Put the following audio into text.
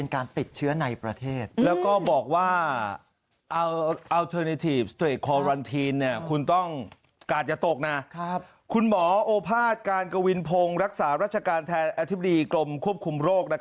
คุณหมอโอภาษการกวินพงศ์รักษารัชการแทนอธิบดีกรมควบคุมโรค